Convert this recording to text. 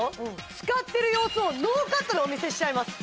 使ってる様子をノーカットでお見せしちゃいます